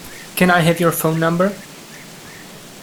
Can I have your phone number?